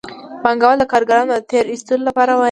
پانګوال د کارګرانو د تېر ایستلو لپاره وايي